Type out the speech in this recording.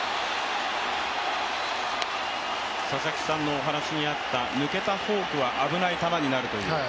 佐々木さんのお話にあった抜けたフォークは危ない球になるという。